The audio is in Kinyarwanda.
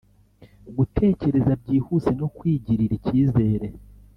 gutekereza byihuse no kwigirira icyizere